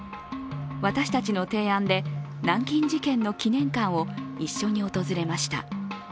私たちの提案で、南京事件の記念館を一緒に訪れました。